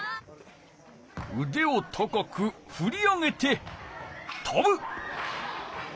うでを高くふり上げてとぶ！